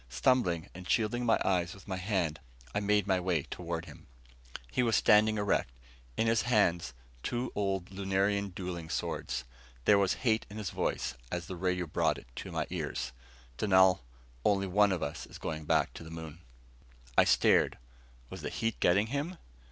Stumbling, and shielding my eyes with my hand, I made my way toward him. He was standing erect, in his hands two old Lunarian dueling swords. There was hate in his voice as the radio brought it in my ears. "Dunal, only one of us is going back to the moon." I stared. Was the heat getting him?